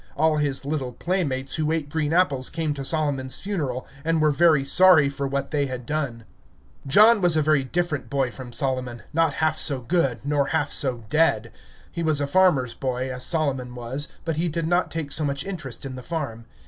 All his little playmates who ate green apples came to Solomon's funeral, and were very sorry for what they had done. John was a very different boy from Solomon, not half so good, nor half so dead. He was a farmer's boy, as Solomon was, but he did not take so much interest in the farm.